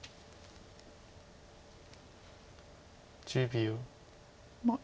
１０秒。